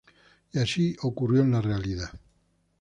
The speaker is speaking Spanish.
Y así ocurrió en la realidad.